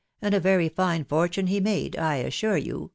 • and a very fine fortune* he made, I assure you